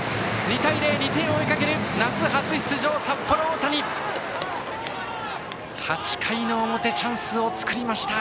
２対０と２点を追う夏初出場、札幌大谷！８回の表、チャンスを作りました。